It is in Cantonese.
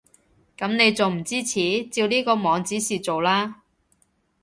噉你仲唔支持？照呢個網指示做啦